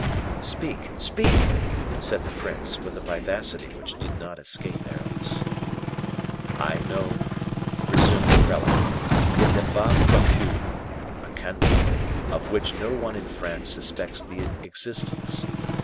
"Speak, speak," said the prince, with a vivacity which did not escape Aramis. "I know," resumed the prelate, "in the Bas Poitou, a canton, of which no one in France suspects the existence.